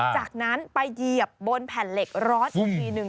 จากนั้นไปเหยียบบนแผ่นเหล็กร้อนอีกทีหนึ่ง